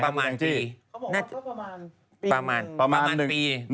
เขาบอกว่าประมาณปี